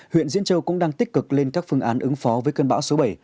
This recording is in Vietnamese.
huyện diễn châu cũng đang tích cực lên các phương án ứng phó với cơn bão số bảy